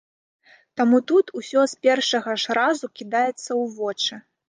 Таму тут усё з першага ж разу кідаецца ў вочы.